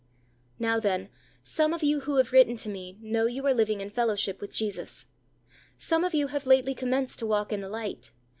Now, then, some of you who have written to me, know you are living in fellowship with Jesus. Some of you have lately commenced to walk in the light.